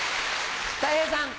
たい平さん。